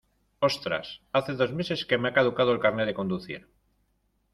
Ostras, hace dos meses que me ha caducado el carnet de conducir.